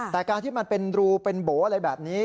แต่การที่มันเป็นรูเป็นโบ๋อะไรแบบนี้